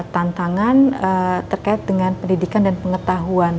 tantangan terkait dengan pendidikan dan pengetahuan